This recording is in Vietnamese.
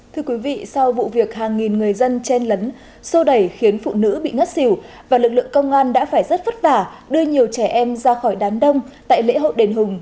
thưa quý vị sau vụ việc hàng nghìn người dân chen lấn sô đẩy khiến phụ nữ bị ngất xỉu và lực lượng công an đã phải rất vất vả đưa nhiều trẻ em ra khỏi đám đông tại lễ hội đền hùng